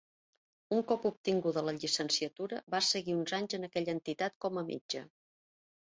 Un cop obtinguda la llicenciatura va seguir uns anys en aquella entitat com a metge.